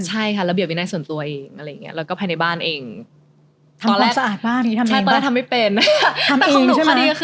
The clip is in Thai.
ใช่ค่ะแล้วเบียบวินัทส่วนตัวเองอะไรอย่างนี้